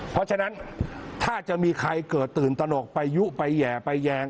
เพราะฉะนั้นถ้าจะมีใครเกิดตื่นตนกไปยุไปแห่ไปแยง